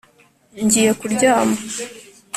Ngiye kuryama